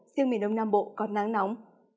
siêu mỉ nông nam bộ còn nắng nóng